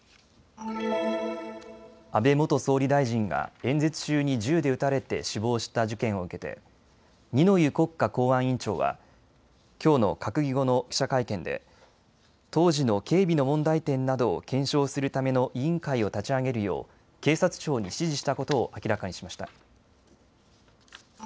安倍元総理大臣が演説中に銃で撃たれて死亡した事件を受けて二之湯国家公安委員長はきょうの閣議後の記者会見で当時の警備の問題点などを検証するための委員会を立ち上げるよう警察庁に指示したことを明らかにしました。